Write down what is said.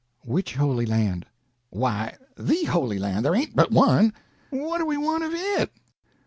"Which Holy Land?" "Why, the Holy Land—there ain't but one." "What do we want of it?"